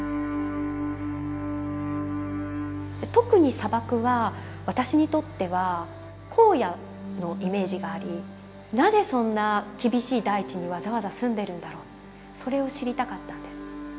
特に砂漠は私にとっては荒野のイメージがありなぜそんな厳しい大地にわざわざ住んでるんだろうそれを知りたかったんです。